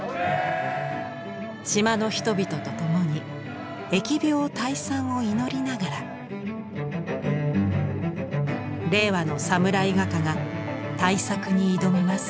島の人々と共に疫病退散を祈りながら令和のサムライ画家が大作に挑みます。